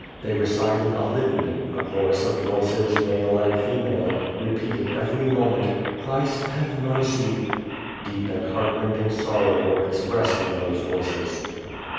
They recited a Litany; a chorus of voices, male and female, repeated every moment, ^'Christ have mercy." Deep and heartrending sorrow were expressed in those voices.